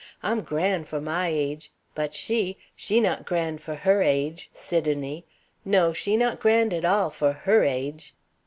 I'm gran' for my age; but she, she not gran' for her age Sidonie; no; she not gran' at all for her age."